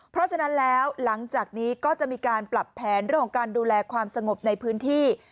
เพราะฉะนั้นแล้วหลังจากนี้ก็จะมีการปรับแผนเรื่องของการดูแลความสงบในพื้นที่